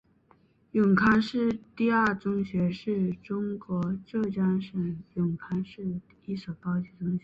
永康市第二中学是中国浙江省永康市的一所高级中学。